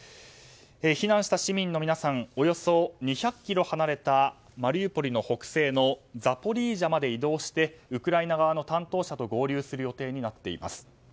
避難した市民の皆さんおよそ２００ｋｍ離れたマリウポリ北西のザポリージャまで移動してウクライナ側の担当者と合流する予定になっています。